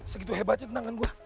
segitu hebatnya tenangan gue